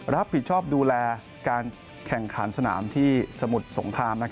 รับผิดชอบดูแลการแข่งขันสนามที่สมุทรสงคราม